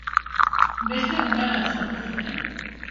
Beste gune bat sortu zuten.